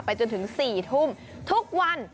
จนถึง๔ทุ่มทุกวัน